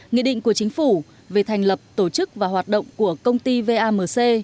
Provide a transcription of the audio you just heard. nghị định của chính phủ về thành lập tổ chức và hoạt động của công ty vamc